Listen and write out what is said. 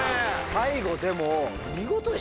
最後でも。